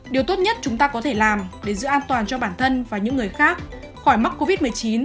điều tốt nhất chúng ta có thể làm để giữ an toàn cho bản thân và những người khác khỏi mắc covid một mươi chín